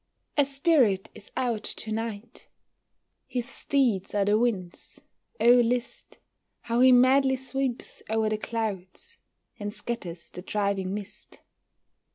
A spirit is out to night! His steeds are the winds; oh, list, How he madly sweeps o'er the clouds, And scatters the driving mist.